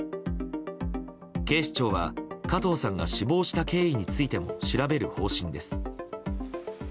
警視庁は加藤さんが死亡した経緯についても調べる方針です。